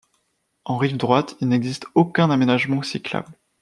En rive droite, il n'existe aucun aménagement cyclable.